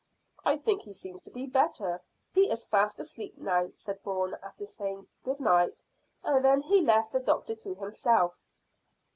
"I think he seems to be better. He is fast asleep now," said Bourne, after saying "Good night!" and then he left the doctor to himself.